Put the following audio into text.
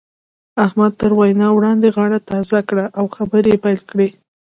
احمد تر وينا وړاندې غاړه تازه کړه او خبرې يې پيل کړې.